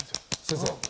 先生！